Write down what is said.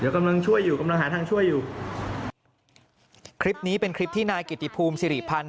คลิปนี้เป็นคลิปที่นายกิติพูมสิริพันธ์